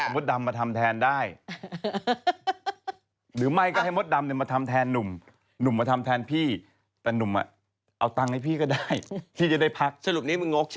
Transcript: มดดำก็ยิ่งไม่มาใหญ่เลย